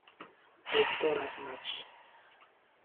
I thought as much.